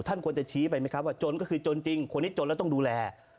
ควรจะชี้ไปไหมครับว่าจนก็คือจนจริงคนที่จนแล้วต้องดูแล